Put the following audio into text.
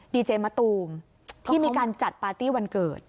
ดีเจมะตูมที่มีการจัดปาร์ตี้วันเกิด